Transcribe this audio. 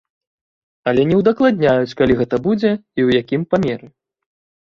Але не удакладняюць, калі гэта будзе і ў якім памеры.